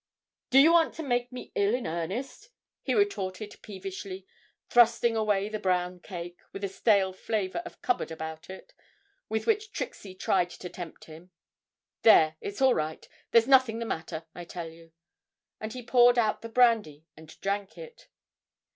'Do you want to make me ill in earnest?' he retorted peevishly, thrusting away the brown cake, with a stale flavour of cupboard about it, with which Trixie tried to tempt him; 'there, it's all right there's nothing the matter, I tell you.' And he poured out the brandy and drank it.